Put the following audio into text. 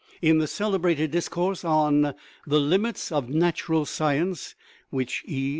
In the celebrated discourse on " The Limits of Nat ural Science," which E.